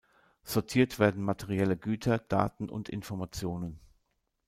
Sortiert werden materielle Güter, Daten und Informationen.